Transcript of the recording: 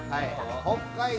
北海道